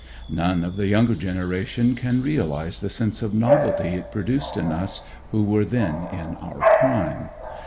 None of the younger generation can realize the sense of novelty it produced in us who were then in our prime.